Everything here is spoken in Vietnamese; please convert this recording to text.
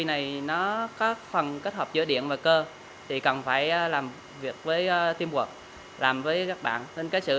này nó có phần kết hợp giữa điện và cơ thì cần phải làm việc với tiêm quật làm với các bạn nên cái sự